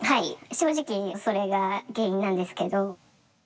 正直それが原因なんですけど。